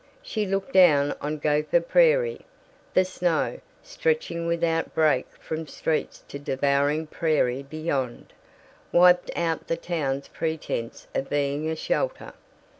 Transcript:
She looked down on Gopher Prairie. The snow, stretching without break from streets to devouring prairie beyond, wiped out the town's pretense of being a shelter.